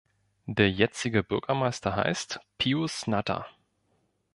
Der jetzige Bürgermeister heißt Pius Natter.